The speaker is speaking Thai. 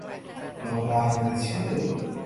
ลงลายมือชื่อ